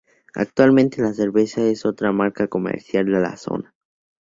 Actualmente la cerveza es otra marca comercial de la zona.